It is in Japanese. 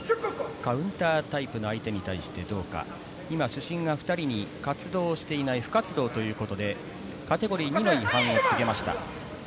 カウンタータイプの相手に対してどうか、今主審が２人に活動していない不活動ということで、カテゴリー２の違反を告げました。